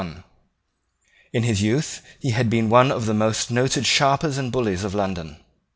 In his youth he had been one of the most noted sharpers and bullies of London.